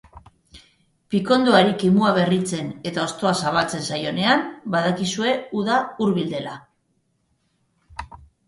Pikondoari kimua berritzen eta hostoa zabaltzen zaionean, badakizue uda hurbil dela.